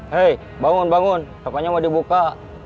hei bangun bangun tokonya mau dibuka